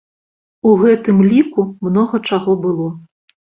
У гэтым ліку многа чаго было.